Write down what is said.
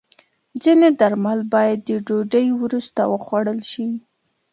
ځینې درمل باید د ډوډۍ وروسته وخوړل شي.